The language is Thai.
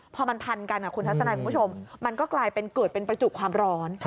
พอมันพันกันคุณทัศนัยคุณผู้ชมมันก็กลายเป็นเกิดเป็นประจุความร้อน